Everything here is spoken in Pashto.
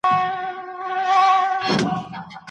له خپلي ویري سره په مېړانه جنګ وکړئ.